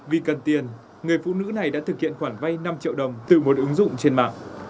vì cần tiền người phụ nữ này đã thực hiện khoản vay năm triệu đồng từ một ứng dụng trên mạng